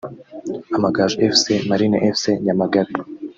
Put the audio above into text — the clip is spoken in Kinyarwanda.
Amagaju Fc vs Marines Fc (Nyamagabe)